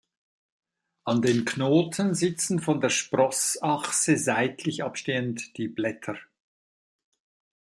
An den Knoten sitzen von der Sprossachse seitlich abstehend die Blätter.